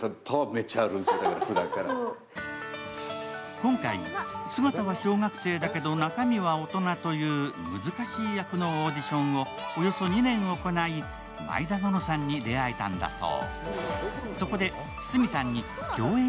今回、姿は小学生だけど中身は大人という難しい役のオーディションをおよそ２年行い、毎田暖乃さんに出会えたんだそう。